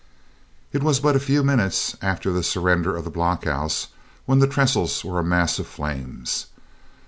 It was but a few minutes after the surrender of the block houses when the trestles were a mass of flames.